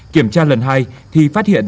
kiểm tra lần hai thì phát hiện